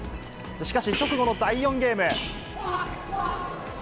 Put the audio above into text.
しかし、直後の第４ゲーム。